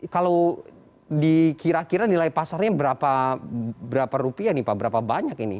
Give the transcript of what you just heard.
kalau dikira kira nilai pasarnya berapa rupiah nih pak berapa banyak ini